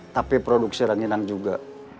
tapi produksi ranginan juga